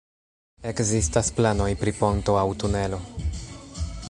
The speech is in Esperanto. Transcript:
Ekzistas planoj pri ponto aŭ tunelo.